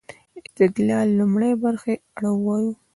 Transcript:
استدلال لومړۍ برخې اړه ووايو.